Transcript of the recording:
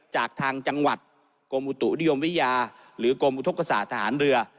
จากทางจังหวัดกรมอุตุนิยมวิทยาหรือกรมอุทธกษาทหารเรือ